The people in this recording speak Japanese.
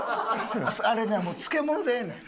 あれねもう「漬物」でええねん。